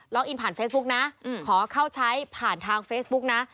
อินผ่านเฟซบุ๊กนะขอเข้าใช้ผ่านทางเฟซบุ๊กนะ